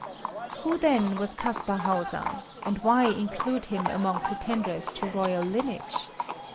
_" Who then was Caspar Hauser, and why include him among pretenders to royal lineage?